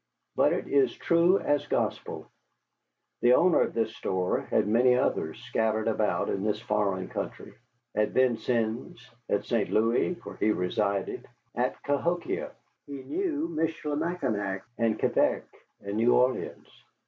But it is true as gospel. The owner of this store had many others scattered about in this foreign country: at Vincennes, at St. Louis, where he resided, at Cahokia. He knew Michilimackinac and Quebec and New Orleans.